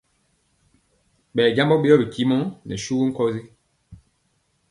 Ɓɛ jambɔ ɓeyɔ bitimɔ nɛ suwu nkɔsi.